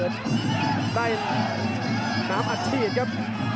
ได้น้ำอัดฉีดครับ